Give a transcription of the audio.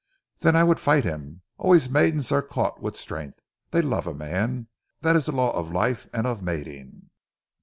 "Then I would him fight. Always maidens are caught with strength. They love a man. Dat is ze law of life and of mating.